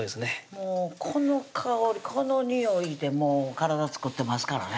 もうこの香りこのにおいで体作ってますからね